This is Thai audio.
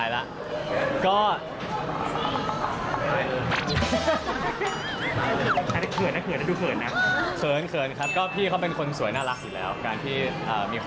ไม่ถึงว่าไม่เป็นจุดจริงแต่ว่าเขาดูดื่มอีก